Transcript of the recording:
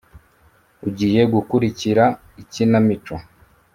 ugiye gukurikira ikinamico.